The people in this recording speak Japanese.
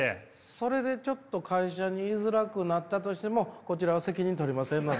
それでちょっと会社にいづらくなったとしてもこちらは責任とれませんので。